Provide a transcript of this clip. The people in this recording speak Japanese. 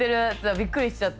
びっくりしちゃった。